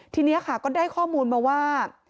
ทีนี้ค่ะก็ได้ข้อมูลมาว่า